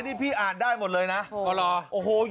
หัวดูลาย